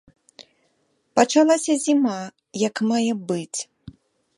Пачалася зіма як мае быць.